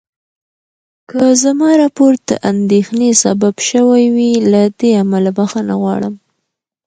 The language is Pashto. که زما راپور د اندېښنې سبب شوی وي، له دې امله بخښنه غواړم.